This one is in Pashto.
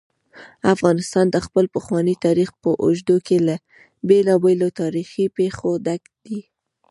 افغانستان د خپل پخواني تاریخ په اوږدو کې له بېلابېلو تاریخي پېښو ډک دی.